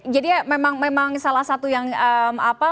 memang salah satu yang apa